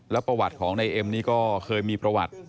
ประวัติของนายเอ็มนี่ก็เคยมีประวัติ